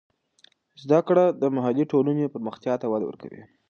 زده کړه د محلي ټولنو پرمختیا ته وده ورکوي.